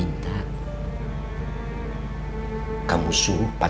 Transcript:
ini yang kita pastikan